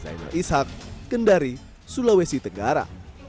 saya nur ishak kendari sulawesi tenggara